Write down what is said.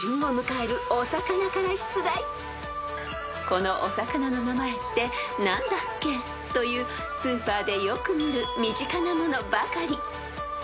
［このお魚の名前って何だっけ？というスーパーでよく見る身近なものばかり］